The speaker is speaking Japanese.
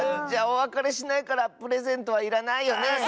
じゃおわかれしないからプレゼントはいらないよね。